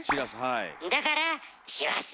だから「しわす」。